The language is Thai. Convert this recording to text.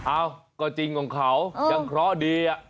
เอ้าก็จริงของเขายังเคราะห์ดี